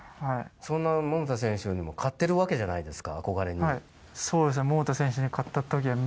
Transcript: そんな桃田選手に勝っているわけじゃないですか。